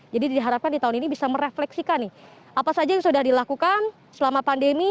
jadi diharapkan di tahun ini bisa merefleksikan nih apa saja yang sudah dilakukan selama pandemi